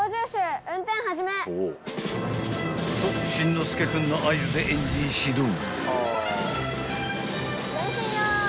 ［と心之介君の合図でエンジン始動］